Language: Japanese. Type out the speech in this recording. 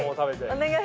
お願いします。